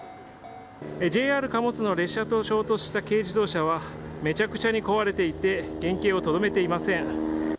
ＪＲ貨物の列車と衝突した軽自動車はめちゃくちゃに壊れていて原形をとどめていません。